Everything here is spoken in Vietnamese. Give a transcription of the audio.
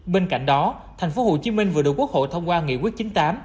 bên cạnh đó thành phố hồ chí minh vừa được quốc hội thông qua nghị quyết chín mươi tám